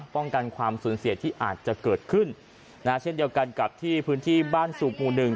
ป้องกันความสูญเสียที่อาจจะเกิดขึ้นเช่นเดียวกันกับที่พื้นที่บ้านสูบหมู่หนึ่ง